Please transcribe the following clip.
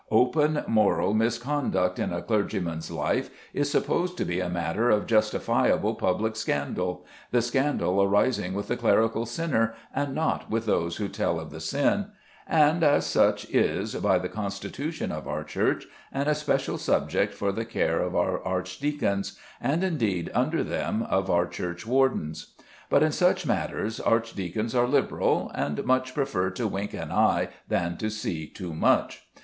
Open moral misconduct in a clergyman's life is supposed to be matter of justifiable public scandal the scandal arising with the clerical sinner, and not with those who tell of the sin and, as such, is, by the constitution of our Church, an especial subject for the care of our archdeacons, and indeed, under them, of our churchwardens. But in such matters archdeacons are liberal, and much prefer to wink an eye than to see too much.